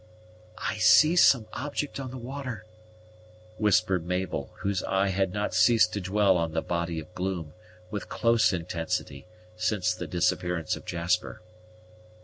"I see some object on the water," whispered Mabel, whose eye had not ceased to dwell on the body of gloom, with close intensity, since the disappearance of Jasper.